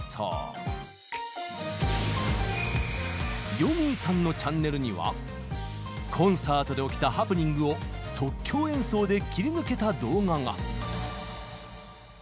よみぃさんのチャンネルにはコンサートで起きたハプニングを即興演奏で切り抜けた動画が。